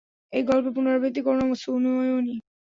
এই গল্পের পুনরাবৃত্তি কোরো না, সুনয়নী।